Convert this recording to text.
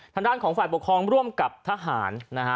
ทางด้านของฝ่ายปกครองร่วมกับทหารนะฮะ